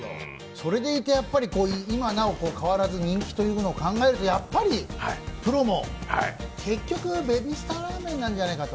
それでいてやっぱり今も変わらず人気というのを考えるとやっぱりプロも結局はベビースターラーメンなんじゃないかと。